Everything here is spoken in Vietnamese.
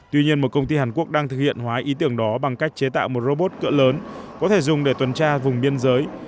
tuy nhiên một công ty hàn quốc đang thực hiện hóa ý tưởng đó bằng cách chế tạo một robot cỡ lớn có thể dùng để tuần tra vùng biên giới